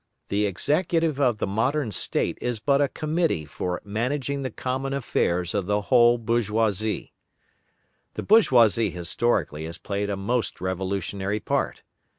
The executive of the modern State is but a committee for managing the common affairs of the whole bourgeoisie. The bourgeoisie, historically, has played a most revolutionary part.